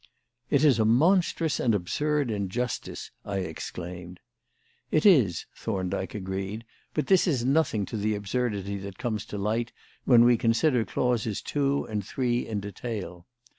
"It is a monstrous and absurd injustice," I exclaimed. "It is," Thorndyke agreed; "but this is nothing to the absurdity that comes to light when we consider clauses two and three in detail.